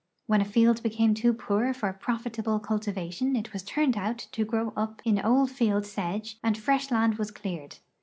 When a field became too poor for profitable cultivation it was turned out to grow uji in old field sedge and fresh land was cleared.